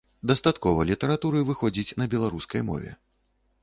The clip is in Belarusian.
Дастаткова літаратуры выходзіць на беларускай мове.